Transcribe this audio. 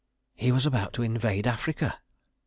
He was about to invade Africa! .